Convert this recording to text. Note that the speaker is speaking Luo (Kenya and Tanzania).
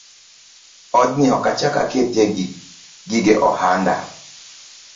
Odni ok achak akete gige ohanda